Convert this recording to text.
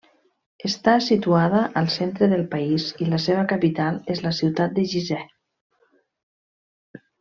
Està situada al centre del país i la seva capital és la ciutat de Gizeh.